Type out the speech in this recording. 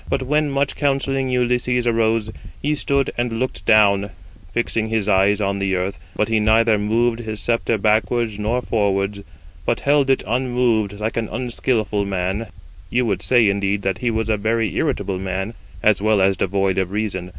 But when much counselling Ulysses arose, he stood and looked down, fixing his eyes on the earth, but he neither moved his sceptre backwards nor forwards, but held it unmoved like an unskilful man: you would say indeed that he was a very irritable man, as well as devoid of reason.